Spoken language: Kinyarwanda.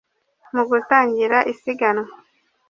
Mu gutangira isiganwa